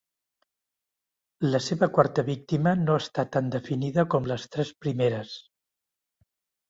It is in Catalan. La seva quarta víctima no està tan definida com les tres primeres.